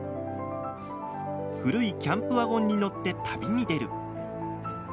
古いキャンプワゴンに乗って旅に出る。